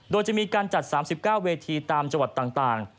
โดยจะมีการจัด๓๙เวทีตามจังหวัดต่าง